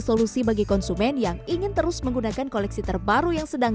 solusi bagi konsumen yang ingin terus menggunakan koleksi terbaru yang sedang